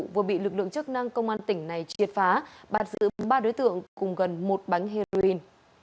vừa bị lực lượng chức năng công an tỉnh này triệt phá bạt giữ ba đối tượng cùng gần một bánh heroin